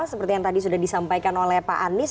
seperti yang tadi sudah disampaikan oleh pak anies